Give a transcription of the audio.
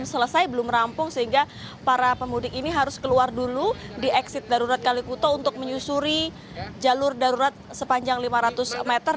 selesai belum rampung sehingga para pemudik ini harus keluar dulu di exit darurat kalikuto untuk menyusuri jalur darurat sepanjang lima ratus meter